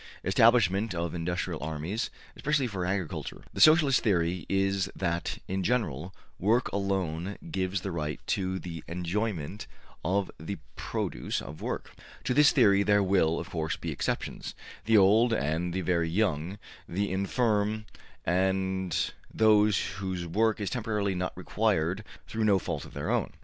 Establishment of industrial armies, especially for agriculture.'' The Socialist theory is that, in general, work alone gives the right to the enjoyment of the produce of work. To this theory there will, of course, be exceptions: the old and the very young, the infirm and those whose work is temporarily not required through no fault of their own.